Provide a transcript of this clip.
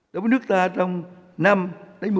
đối với nước ta trong năm một mươi năm tới